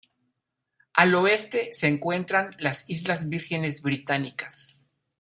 Al oeste se encuentran las Islas Vírgenes Británicas.